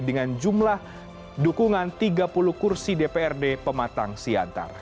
dengan jumlah dukungan tiga puluh kursi dprd pematang siantar